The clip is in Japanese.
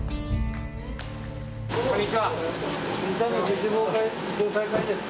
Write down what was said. こんにちは。